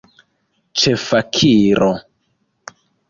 Ĉe fakiro.